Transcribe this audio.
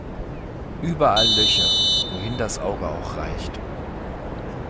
Überall Löcher, wohin das Auge auch reicht.